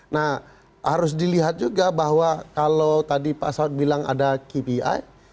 nah harus dilihat juga bahwa kalau tadi pak saud bilang ada kpi